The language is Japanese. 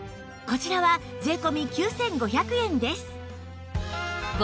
こちらは税込９５００円です